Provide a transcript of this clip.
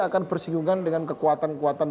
akan bersinggungan dengan kekuatan kekuatan